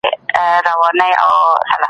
دا فایل په پوره دقت سره چمتو سوی دی.